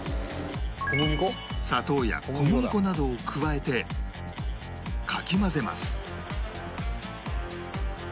砂糖や小麦粉などを加えてかき混ぜます